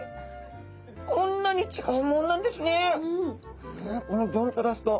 こんなに違うもんなんですね。